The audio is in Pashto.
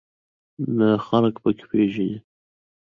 نه خلک په کې پېژنې.